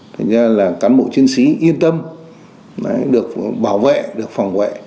thành ra là cán bộ chiến sĩ yên tâm được bảo vệ được phòng vệ